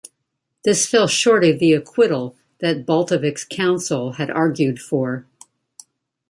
This fell short of the acquittal that Baltovich's counsel had argued for.